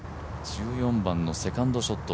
１４番のセカンドショット